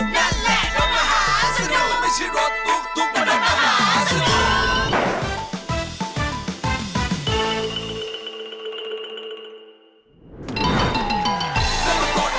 มันไม่ใช่รถตุ๊กตุ๊กมันรถมหาสนุก